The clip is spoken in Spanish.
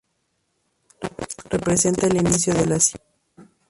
Representa el inicio de la siega.